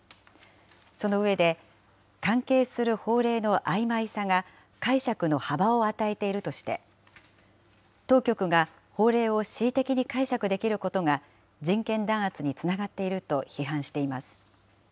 その上で、関係する法令のあいまいさが、解釈の幅を与えているとして、当局が法令を恣意的に解釈できることが人権弾圧につながっていると批判しています。